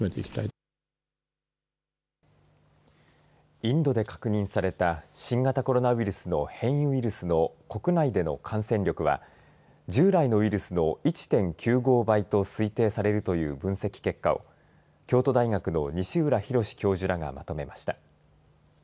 インドで確認された新型コロナウイルスの変異ウイルスの国内での感染力は従来のウイルスの１．９５倍と推定されるという分析結果を京都大学の西浦博教授らがまとめました。